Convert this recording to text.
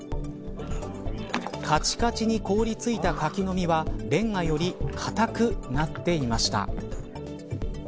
カチカチに凍りついたカキの実はレンガより硬くなっていました。